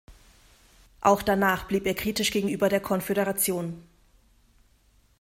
Auch danach blieb er kritisch gegenüber der Konföderation.